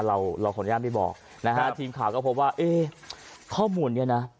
เราเราขออนุญาตไม่บอกนะฮะทีมข่าวก็พบว่าเอ๊ะข้อมูลนี้นะ